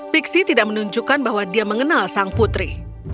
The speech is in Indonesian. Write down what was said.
pixi tidak menunjukkan bahwa dia mengenal sang putri